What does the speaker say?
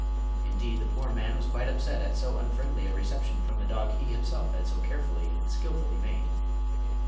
Indeed, the poor man was quite upset at so unfriendly a reception from the dog he had himself so carefully and skillfully made.